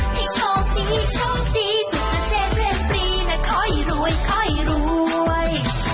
ให้โชคดีโชคดีสุขเกษตรเรียนฟรีนะค่อยรวยค่อยรวย